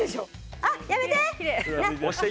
あっやめて！